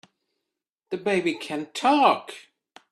The baby can TALK!